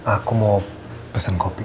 aku mau pesen kopi